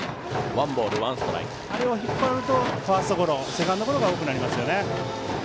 あれを引っ張るとファーストゴロセカンドゴロが多くなりますね。